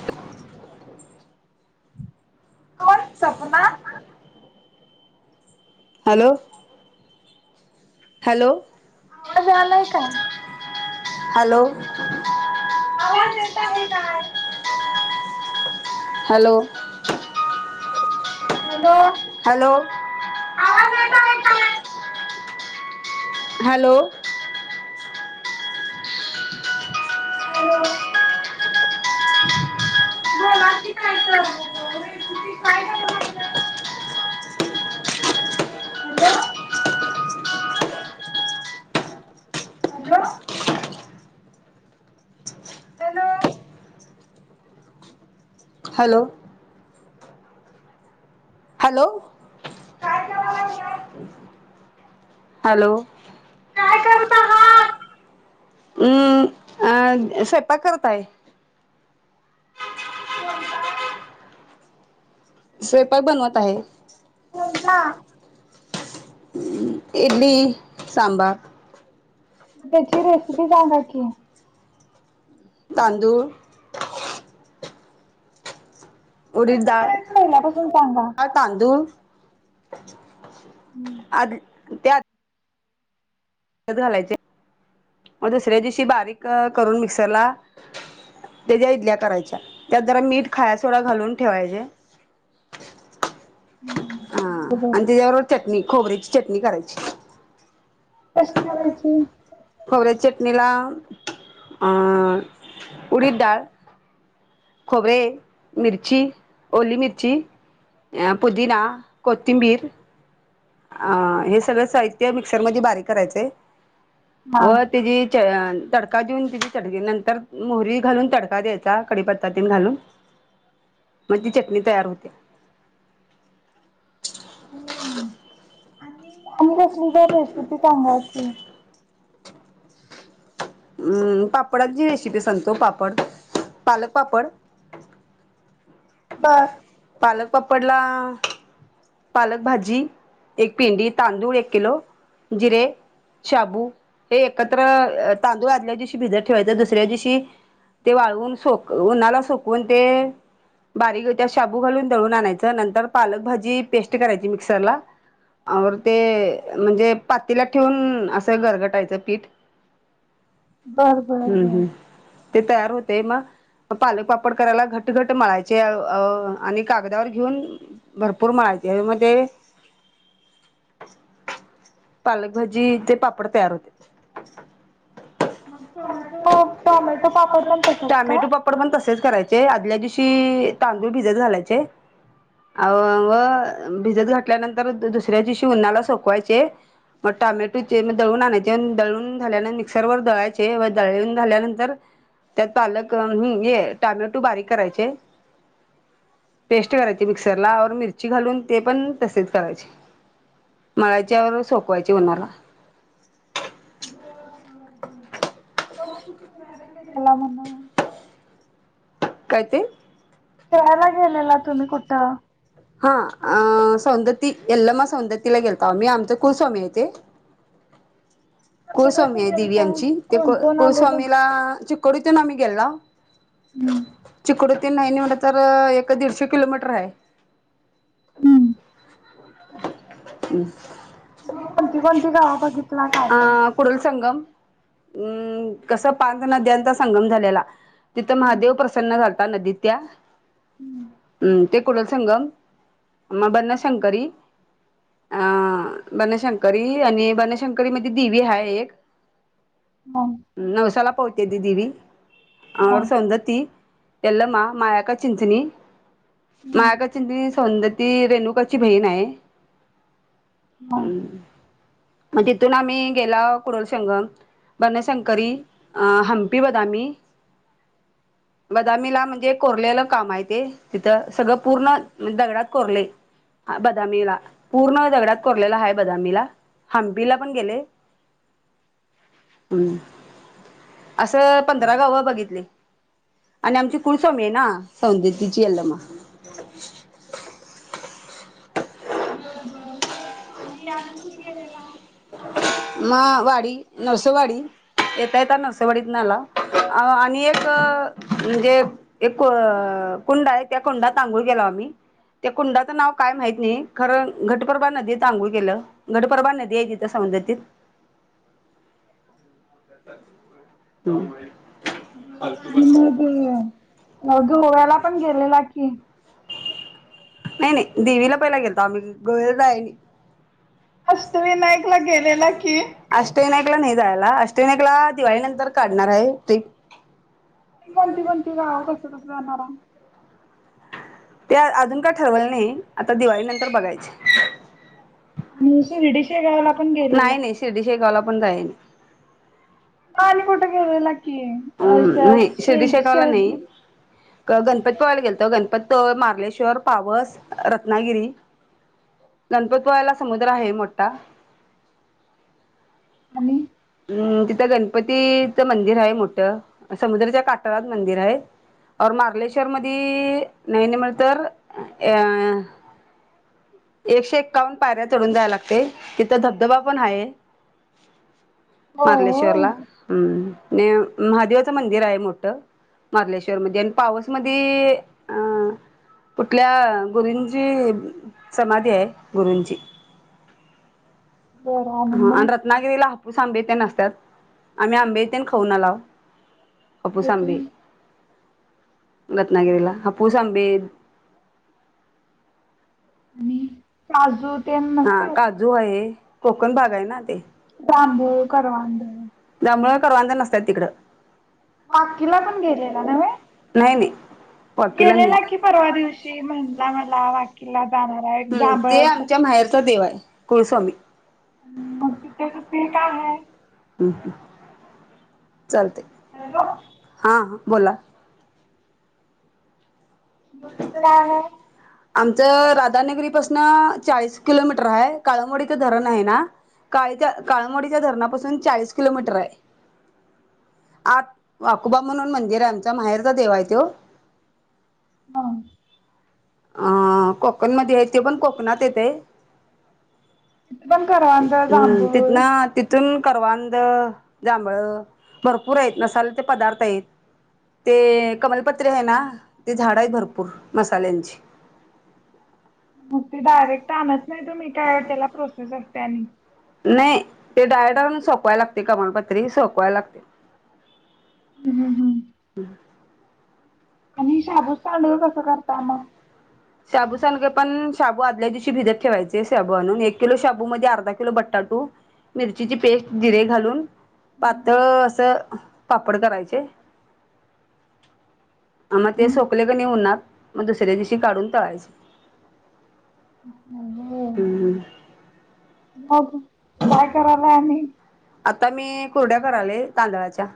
[unintelligible] कोण Sapna? Hello. Hello. आवाज यालाय काय? हॅलो आवाज येत आहे काय? हॅलो. हॅलो हॅलो, आवाज येत आहे काय? हॅलो. हॅलो. बोला की काय तर [unintelligible] hello. Hello. Hello hello. Hello. काय करा लागल्यास. हॅलो. करत आहात हम्म अं स्वयपाक करतायं. [inaudible] स्वयंपाक बनवत आहे. कोणता. इडली सांबार. म त्याची रेसिपी सांगा की. तांदूळ, उडीद कसं करायचं पहिल्यापासून सांगा डाळ, तांदूळ. [inaudible] आदी. त्यात. भिजत घालायचे व दुसऱ्या दिवशी बारीक करून मिक्सरला त्याच्या ईडल्या करायच्या त्यात जरा मीठ, खाया सोडा घालून ठेवायचे. हा बरोबर आणि त्याच्याबरोबर चटणी, खोबऱ्याची चटणी करायची. कशी करायची. खोबऱ्याची चटणी ला उडीद डाळ. खोबरे, मिरची, ओली मिरची, पुदिना, कोथिंबीर. अ हे सगळं साहित्य मिक्सर मध्ये बारीक करायचंय. हा व तिजी तडका देऊन तिची चड नंतर. तर मोहरी घालून तडका द्यायचा कडीपत्ता ते घालून मग ती चटणी तयार होत्या. आणि आणि कसली तर रेसिपी सांगा की. हम् पापडाची रेसिपी सांगतो पापड पालक पापड. बर पालक पापडला. पालक भाजी. एक पेडी तांदूळ एक किलो जिरे शाबू हे एकत्र तांदूळ आदल्या दिवशी भिजत ठेवायचं. दुसऱ्या दिवशी ते वाळवून सोक उन्हाला सोकवून ते बारीक त्या शाबू घालून दळून आणायचं नंतर पालक भाजी पेस्ट करायची मिक्सरला औ ते म्हणजे पातीला ठेवून असं घरगटायचं पीठ बर बर हम्म बर हम्म ते तयार होते मग पालक पापड करायला घट घट घट मळायचे अ आणि कागदावर घेऊन भरपूर मळायचे. त्यामध्ये पालकभाजी ते पापड तयार होते मग टोमॅटो टोमॅटो पापड पण तसच काय. टॅमॅटो पापड पण तसेच करायचे आदल्या दिवशी तांदूळ भिजत घालायचे अ व भिजत घातल्यानंतर दुसऱ्या दिवशी उन्हाला सोकवायचे मग टामॅटोचे म दळून आणायचे दळून झाल्यान मिक्सर वर दळायचे व दळून झाल्यानंतर त्यात पालक ये टामॅटो बारीक करायचे पेस्ट करायचे मिक्सरला औ मिरची घालून ते पण तसेच करायचे मळाच्यावर सोकवायचे उन्हाला. बरं बरं हम्म. तो कुठ फिरायला गेलेला म्हणं काय ते. फिरायला गेलेला म्हण. हा अं सौंदती ती यल्लमा सौंदतिला गेलतो आमी आमच कुलस्वामी आहे ते कसं कुलस्वामी कसं आहे देवी गेलता? आमची ते कोण कोण आलेलं? कुळस्वामीला चिकोडीतून आम्ही गेलाव. हम्म. चिकोडीतून न्हाई म्हटल तर. एक दीडशे किलोमीटर आहे हम्म. मग कोणती कोणती गावं बघितला काय अ काय? कुडल संघम हम् कस पाच नद्यांचा संगम झालेला तिथ महादेव. प्रसन्न झालता नदीत त्या हम्म ते कडल संम मग बनशंकरी अ बनशंकरी आणि बनशंकरी मदी दिवी हाय एक हम्म नवसाला पावती ती दिवी हम्म. सौंदती यल्लमा मायाअक्का चिंचणी हम्म मायक्का चिंचणी आणि सौंदती ती रेणुकाची बहीण हाय. [inaudible] हम्म. तिथून आम्ही गेलाव कुडल संगम बनशंकरी अ हंपी बदामी बदामीला म्हणजे कोरलेलं काम आहे ते तिथं सगळं पूर्ण दगडात कोरलयं बदामीला पूर्ण दगडात कोरलेला हा बदामीला हंपीला पण गेले हम् असं पंधरा गावं बघितली. आणि आमची कुलस्वामी आहे ना सौंदर्तीची यल्लमा बर बर मग आणि आणि कुठे गेलेला. म वाडी नर्सवाडी येता येता नर्सवाडीतनं आलाव. आणि एक म्हणजे एक कुंड आहे त्या कुंडात आंघोळ केलाव आम्ही त्या कुंडाचं नाव काय महित नाही खरं घटप्रभा नदीत आंघोळ केलं घटप्रभा नदी आहे तिथं सौंदतीत [inaudible] आणि मग गोव्याला पण गेलेला की. नाही नाही देवीला पहिला गेलताव आम्ही गोव्याला जाई नाही अष्टविनायकला गेलेला कि अष्ट विनायकला नही जायाला अष्टे विनायक दिवाळी नंतर काढ णार आहे ते [unintelligible] ते कोणती कोणती गावं कसं कसं जाणारा ते अजून का ठरवलं नाही आता दिवाळी नंतर बघायचे. आणि शिर्डी शेगावला पण गेलेला नाही नाही आहे. शिर्डी शेगावला पण जाईन. [inaudible] आणि कुठं गेलला का की? अ नाही शिर्डी शे शेगाव शे नाही ग गणपती पुळ्याला गेलतो गणपतीपुळे, मार्लेश्वर, पावस, रत त्नागिरी, गणपतपुळ्याला समुद्र आहे मोठा. आणि अम्म तिथं गणपतीच मंदिर आहे मो समुद्राच्या काटारात मंदिर आहे और मारलेश्वर मधी नाही म्हल तर अ एकशे एकावन्न पायऱ्या चढून जायाय लागतयं तिथं धबधबा पण हाय. हो मार्लेश्वर हम्म. ने महादेवाचं मंदिर आहे मोठं मार्लेश्वर मधी आणि पावस मधी अं कुठल्या गुरुंची समाधी आहे गुरूंची. बर हा आणि मग रत्नागिरीला हापूस आंबे तेन असत्यात. आम्ही आंबेतेन खाऊन आलाव. हापूस ते काय आंबे रत्नागिरीला हापूस आंबे आणि काजू ते हा नसतात काजू आहे. कोकण भाग आहे ना ते. जांभूळ करवंद जांभळं करवंद नसत्यात तिकडं. वाकीला पण गेलेला नव्हे नाही नाही. वाकीला नाही गेलेला कि परवा दिवशी म्हणला मला वाकीला जाणार आहे हम्म जांभळ ते आमच्या माहेरचा देव आहे. कुळस्वामी मग तिथे तिथे काय हाय? चालतयं. हां बोला. बर तिथं काय हाय? आमचं राधानगरीपासन चाळीस किलोमीटर हाय, काळ्ळमावाडीचं धरण आहे ना काळीच्या काळ्ळमावाडीच्या धरणापासून चाळीस किलोमीटर आहे आ आकोबा म्हणून मंदिर आहे आमचा माहेरचा देव आहे त्यो. हा. अ कोकण मध्ये आहे ते पण कोकणात येतयं. तिथे पण करवंद हम जांभूळ तिथन तिथून करवांद, जांभळ भरपूर आहेत मसाल्याचे पदार्थ आहेत ते कमलपत्रे हाय ना ते झाड आहेत भरपूर मसाल्यांची. मग ते डायरेक्ट आणत नाही तुम्ही काय त्याला प्रोसेस आहे त्यांनी नाही ते डायडारून सोपवायला लागत ते कमाणपत्र सोपवायला लागते ह हम्म हम्म आणि शाबूस तांडूळ कसं करत मग शाबू सांगे पण शबू आदल्या दिवशी भिजत ठे शाबू आणून एक किलो शाबू मध्ये अर्धा किलो बटाटू मिरचीची पेस्ट जिरे घालून पतळ असं पापड करायचे आम ते सोकले की उन्हात मग दुसऱ्या दिवशी काढून तळायचा हो मग काय करायला आणि आता मी कुरडया करालोय तांदळाच्या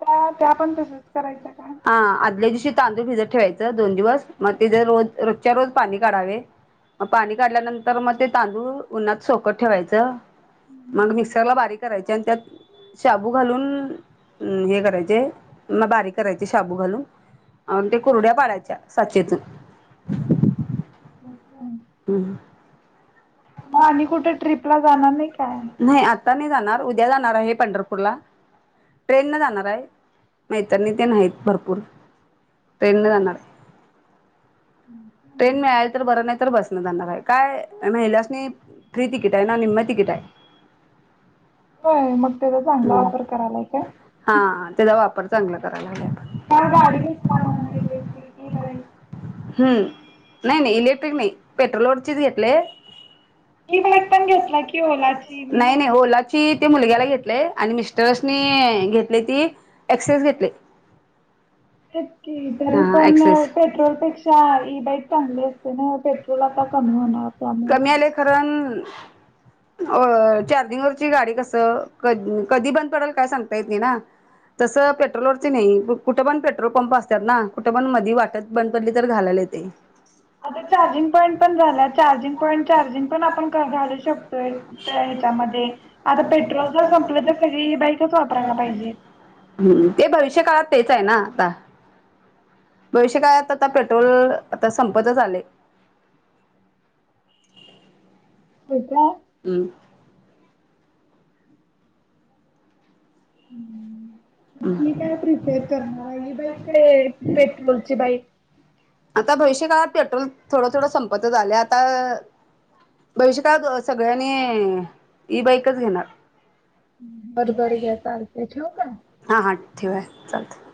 त्या त्या पण तसच करायच्या का? हा हम्म. आदल्या दिवशी तांदूळ भिजत ठेवायच दोन दिवस मग ते ज रोज रोजच्या रोज पाणी काढावे मग पाणी काढल्यानंतर मग ते तांदूळ उन्हात सोकट ठेवायचं मग मिक्सरला बारीक करा त्यात शबू घालून हे करायचे म बारीक करायचे शाबू घालून ते कुरड्या पाडायच्या साचेतून हम मग आणि कुठे ट्रिपला जाणार नाही काय? नाही आता नाही जाणार उद्या जाणार आहे पंढरपूर ट्रेन न जाणार आहे मैतणी ते नाहीत भरपूर ट्रेन न जाणार आहे ट्रेन मिळाल तर बरं नाही तर बस काय महिला प्रीती किटाय ना निमती गिटाय ब मग त्याचा चांगला वापर करायलाय का हा त्याचा वापर चांगला करायला हवा आपण काल गाडी घेतला म्हणा घ की बाई हम्म नाही नाही इलेक्ट्रिक नाही पेट्रोलवरचीच घेतले ई बाईक पण घेतला की ओलाची मी नाही नाही म्हटली ला मुलग्याला घेत आणि मि स घेतली ती एक्सेस घेतली शतककी तरी पण पेट्रोल पेक्षा ई बाईक चांगली असते ना पेट्रोल आता कमी होणार कमी त्यामुळे आले खरण अ चार्जिंग वरची गाडी कस कधी बंद पडेल काय सांगता येत नाही ना तसं पेट्रोलवररची नाही कुठं पण पेट्रोल पंप असतात ना कुठं पण मधी वाटत बंद पडली तर घालायला येते आता च प घ शोच्या आ पेट्रर स वाला पा हम्म ते भविष्य काळात तेच आहे ना आता. भविष्य काळत आता पेट्रोल आता संपतच आलेय. हो का हं. हं. हम्म. तुम्ही काय प्रिपेर करणार आहे, ही बाईक काय? पेट्रोलची बाईक? आता भविष्य काळात पेट्रोल थोडं थोडं संपतच आले. आता भविष्य काळात सगळ्यांनी ही बाईकच घेणार. बरबर घ्या, चालतय. ठेवू का? हा हा. ठेवाय. चालते.